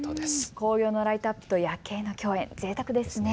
紅葉のライトアップと夜景の競演、ぜいたくですね。